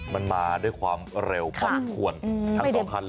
มันมาด้วยความเร็วพอสมควรทั้งสองคันเลย